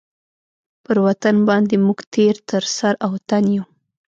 پر وطن باندي موږ تېر تر سر او تن یو.